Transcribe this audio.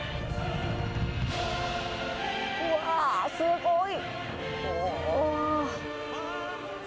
うわー、すごい。